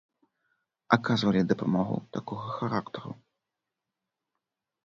Аказвалі дапамогу такога характару.